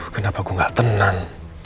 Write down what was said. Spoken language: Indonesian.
kenapa gue gak tenang